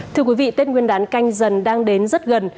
thưa quý vị tết nguyên đán canh dần đang đến rất gần